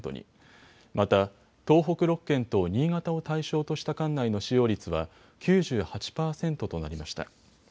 また、東北６県と新潟を対象とした管内の使用率は９８％となりました。